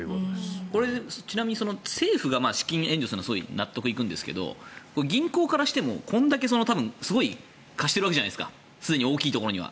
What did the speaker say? これ、ちなみに政府が資金援助するのは納得いくんですけど銀行からしても、これだけすごい貸してるわけじゃないですかすでに大きいところには。